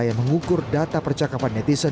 yang mengukur data percakapan netizen